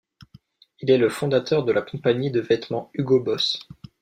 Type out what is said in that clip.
Il est le fondateur de la compagnie de vêtements Hugo Boss.